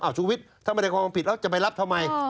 ชูวิทย์ถ้าไม่ได้ความผิดแล้วจะไปรับทำไม